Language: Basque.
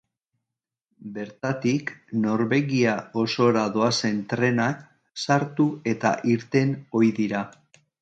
Bertatik Norvegia osora doazen trenak sartu eta irten ohi dira.